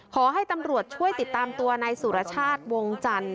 ขอให้ตำรวจช่วยติดตามตัวนายสุรชาติวงจันทร์